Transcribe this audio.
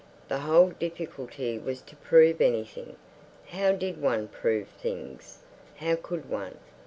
The whole difficulty was to prove anything. How did one prove things, how could one?